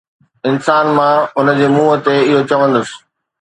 انسان، مان هن جي منهن تي اهو چوندس